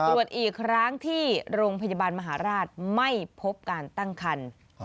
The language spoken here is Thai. ตรวจอีกครั้งที่โรงพยาบาลมหาราชไม่พบการตั้งคัน